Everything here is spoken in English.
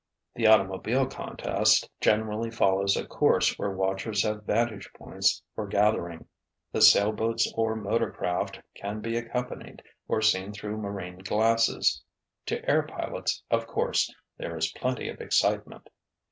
The automobile contest generally follows a course where watchers have vantage points for gathering. The sailboats or motor craft can be accompanied or seen through marine glasses. To air pilots, of course, there is plenty of excitement.